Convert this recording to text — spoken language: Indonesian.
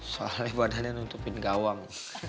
soalnya badannya nuntupin gawang